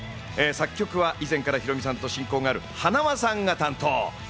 作曲は以前からヒロミさんと親交があるはなわさんが担当。